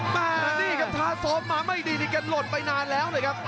มานี่ครับทาสอบมาไม่ดีนี่กันหล่นไปนานแล้วเลยครับ